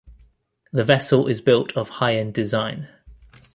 The vessel is built of high-end design.